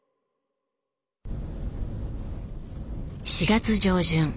４月上旬。